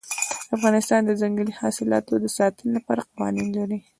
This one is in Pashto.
افغانستان د ځنګلي حاصلاتو د ساتنې لپاره قوانین لري.